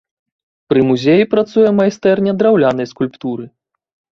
Пры музеі працуе майстэрня драўлянай скульптуры.